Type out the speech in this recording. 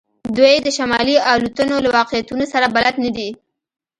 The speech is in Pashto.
دوی د شمالي الوتنو له واقعیتونو سره بلد نه دي